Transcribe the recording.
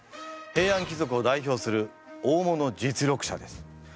平安貴族を代表する大物実力者です。